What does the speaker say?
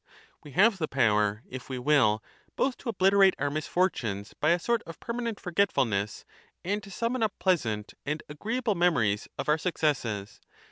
We have the power if we will both to obliterate our misfortunes by a sort of permanent forgetfulness and to summon up pleasant and agreeable memories of our successes.